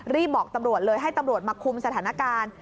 รีบบอกตำรวจเลยให้ตำรวจมาคุมสถานการณ์